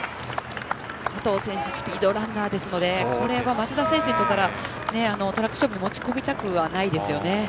佐藤選手はスピードランナーですのでこれは松田選手にとったらトラック勝負に持ち込みたくはないですよね。